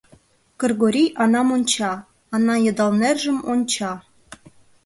Кыргорий Анам онча, Ана йыдал нержым онча.